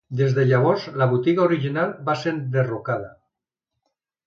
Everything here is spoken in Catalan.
Des de llavors la botiga original va ser enderrocada.